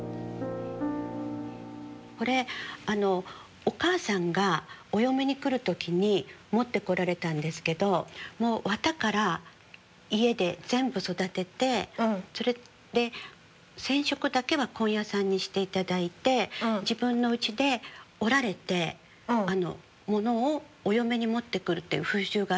これお母さんがお嫁に来る時に持ってこられたんですけど綿から家で全部育ててそれで染色だけは紺屋さんにして頂いて自分のうちで織られたものをお嫁に持ってくるっていう風習があったんです。